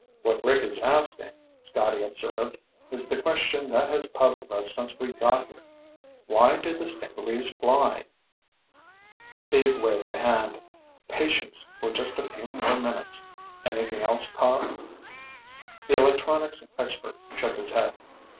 "What Rick is asking," Scotty observed, "is the question that has puzzled us since we got here. Why do the stingarees fly?" Steve waved a hand. "Patience for just a few more minutes. Anything else, Cobb?" The electronics expert shook his head.